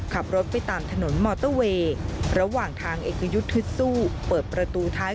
ขับรถไปตามถนนมอเตอร์เวย์